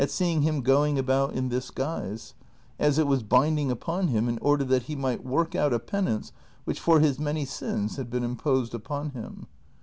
seeing liini going about in this guise, as it was binding upon him in order that he might work out a penance which for his many sins had been imposed upon him.